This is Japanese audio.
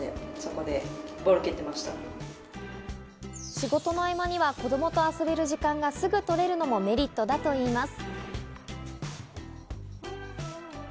仕事の合間には子供と遊べる時間がすぐ取れるのもメリットだといいます。